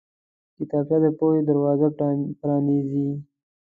کتابچه د پوهې دروازه پرانیزي